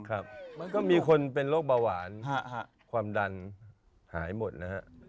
มันก็มีคนเป็นโรคเบาหวานความดันหายหมดนะฮะ